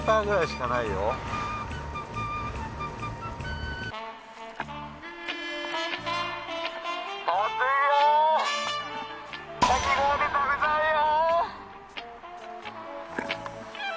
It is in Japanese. かき氷食べたいよ！